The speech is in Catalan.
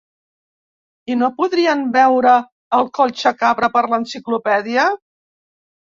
I no podríem veure el Collsacabra per l'enciclopèdia?